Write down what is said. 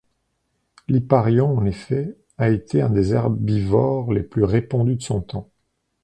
L'hipparion, en effet, a été un des herbivores les plus répandus de son temps.